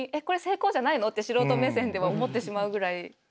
これ成功じゃないのって素人目線では思ってしまうぐらい。